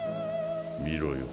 見ろよ。